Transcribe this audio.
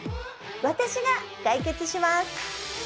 私が解決します